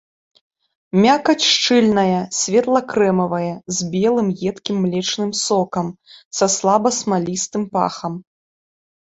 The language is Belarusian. Мякаць шчыльная, светла-крэмавая, з белым едкім млечным сокам, са слаба смалістым пахам.